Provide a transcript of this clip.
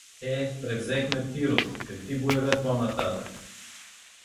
Е, превзехме Пирот — какви боеве по-нататък?